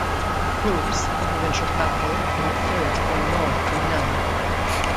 Cruz, the provincial capital, and the third going North to Manila.